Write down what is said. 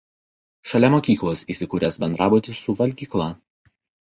Šalia mokyklos įsikūręs bendrabutis su valgykla.